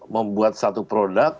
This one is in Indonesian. membuat satu produk